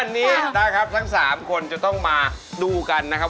วันนี้นะครับทั้ง๓คนจะต้องมาดูกันนะครับ